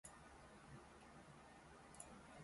すみませんでした